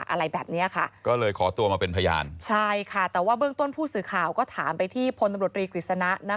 อะไรแบบเนี้ยค่ะก็เลยขอตัวมาเป็นพยานใช่ค่ะแต่ว่าเบื้องต้นผู้สื่อข่าวก็ถามไปที่พลตำรวจรีกฤษณะนะคะ